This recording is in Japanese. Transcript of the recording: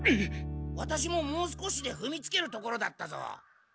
ワタシももう少しでふみつけるところだったぞ。